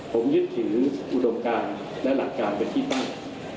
ผมยึดถืออุดมการและหลักการเป็นที่ตั้ง